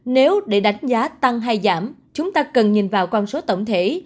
nếu để đánh giá tăng hay giảm chúng ta cần nhìn vào con số tổng thể